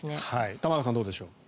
玉川さん、どうでしょう。